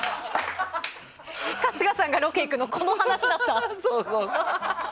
春日さんがロケ行くのこの話だった。